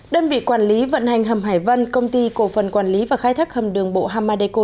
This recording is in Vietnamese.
đơn vị quản lý vận hành hầm hải vân công ty cổ phần quản lý và khai thác hầm đường bộ hamadco